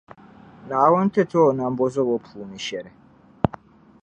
Naawuni ti ti o nambɔzɔbo puuni shɛli.